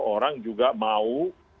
orang juga mau